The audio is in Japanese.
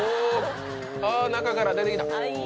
あ中から出てきた。